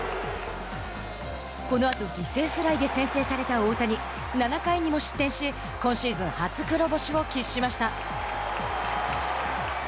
このあと犠牲フライで先制された大谷７回にも失点し今シーズン初黒星を喫しました。